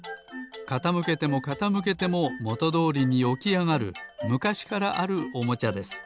かたむけてもかたむけてももとどおりにおきあがるむかしからあるおもちゃです。